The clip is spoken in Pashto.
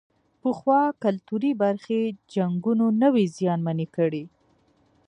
پخوا کلتوري برخې جنګونو نه وې زیانمنې کړې.